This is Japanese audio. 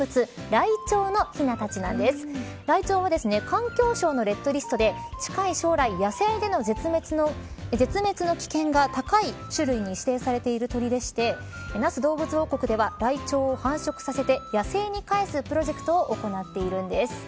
ライチョウは環境省のレッドリストで近い将来、野生での絶滅の危険が高い種類に指定されている鳥でして那須どうぶつ王国ではライチョウを繁殖させて野生に返すプロジェクトを行っているんです。